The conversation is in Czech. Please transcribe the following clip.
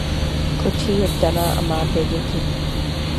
Kočí je vdaná a má dvě děti.